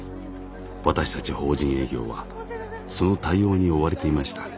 私たち法人営業はその対応に追われていました。